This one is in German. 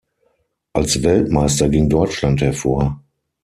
Als Weltmeister ging Deutschland hervor.